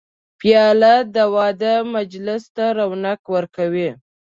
پیاله د واده مجلس ته رونق ورکوي.